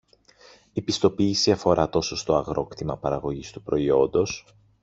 Η πιστοποίηση αφορά τόσο στο αγρόκτημα παραγωγής του προϊόντος